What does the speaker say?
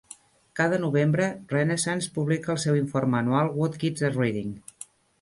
Cada novembre, Renaissance publica el seu informe anual "What Kids Are Reading".